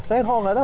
saya kok gak tau